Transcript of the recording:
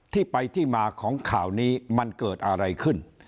ที่ไปที่มาของข่าวนี้มันเกิดอะไรขึ้น